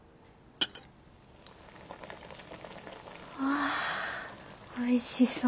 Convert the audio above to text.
あおいしそう。